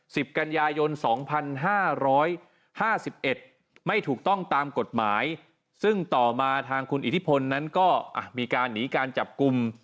สิบกัญญายน๒๕๕๑ไม่ถูกต้องตามกฎหมายซึ่งต่อมาทางคุณอิทธิพลนั้นก็มีการหนีการจับกลุ่ม